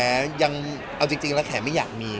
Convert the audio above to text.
ยังเอาจริงแล้วแขกไม่อยากมี